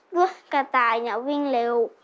เพื่อกระต่ายน่าวิ่งเร็ว